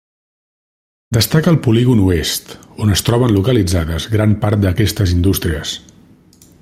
Destaca el polígon oest, on es troben localitzades gran part d'aquestes indústries.